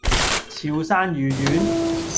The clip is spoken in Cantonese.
潮汕魚丸